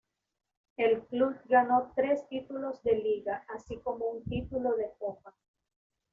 El club ganó tres títulos de liga, así como un título de copa.